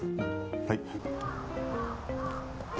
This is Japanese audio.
はい。